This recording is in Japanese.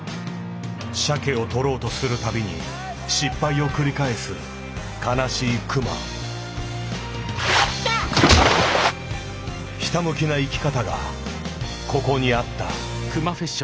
鮭を捕ろうとする度に失敗を繰り返す悲しい熊ひたむきな生き方がここにあった。